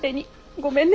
ごめんね。